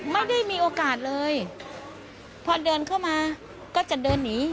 ไม่ได้มีโอกาสเลยพอเดินเข้ามาก็จะเดินหนี